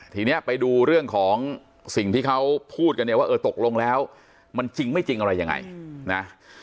ทีนี้ไปดูเรื่องของสิ่งที่เขาพูดกันเนี่ยว่าเออตกลงแล้วมันจริงไม่จริงอะไรยังไงนะ